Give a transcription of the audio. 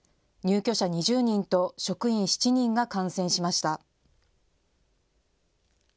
入居者２０人と職員７人が感染しました。